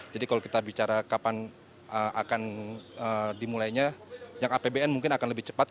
jadi kalau kita bicara kapan akan dimulainya yang apbn mungkin akan lancar